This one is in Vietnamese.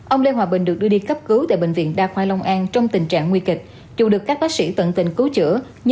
ông lê hòa bình được đưa đi cấp cứu tại bệnh viện đa khoai long an trong tình trạng nguy kịch